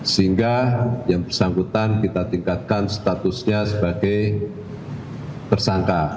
sehingga yang bersangkutan kita tingkatkan statusnya sebagai tersangka